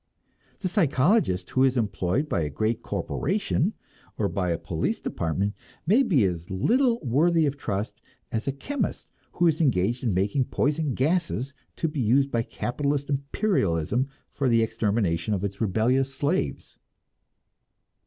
The psychologist who is employed by a great corporation, or by a police department, may be as little worthy of trust as a chemist who is engaged in making poison gases to be used by capitalist imperialism for the extermination of its rebellious slaves.